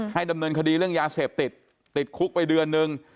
ดำเนินคดีเรื่องยาเสพติดติดคุกไปเดือนนึง